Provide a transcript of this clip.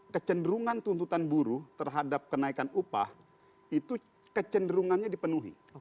kecenderungan tuntutan buruh terhadap kenaikan upah itu kecenderungannya dipenuhi